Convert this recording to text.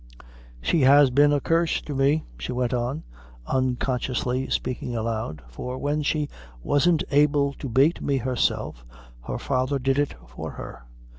"She has been a curse to me!" she went on, unconsciously speaking aloud; "for when she wasn't able to bate me herself, her father did it for her.